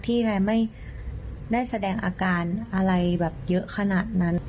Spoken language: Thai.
ยังไงไม่ได้แสดงอาการอะไรแบบเยอะขนาดนั้น